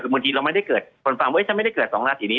บางทีเราไม่ได้เกิดคนฟังว่าฉันไม่ได้เกิด๒ราศีนี้